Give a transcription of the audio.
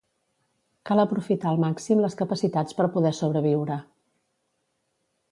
Cal aprofitar al màxim les capacitats per poder sobreviure.